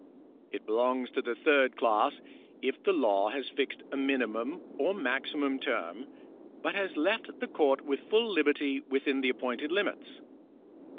It belongs to the third class, if the law has fixed a minimum or maximum term, but has left the court with full liberty within the appointed limits.